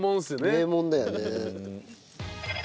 名門だよね。